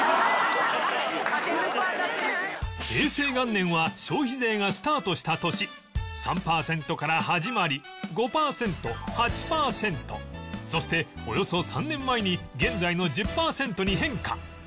平成元年は消費税がスタートした年３パーセントから始まり５パーセント８パーセントそしておよそ３年前に現在の１０パーセントに変化